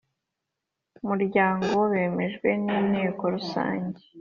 muryango bemejwe n inteko rusange